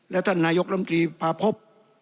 และท่านนายกรมตรีพาพบ